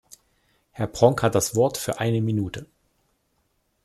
Herr Pronk hat das Wort für eine Minute.